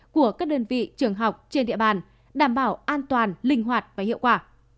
của các đơn vị trường học trên địa bàn đảm bảo an toàn linh hoạt và hiệu quả